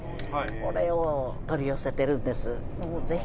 これを取り寄せてるんです。